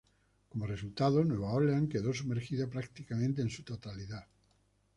Como resultado, Nueva Orleans quedó sumergida prácticamente en su totalidad.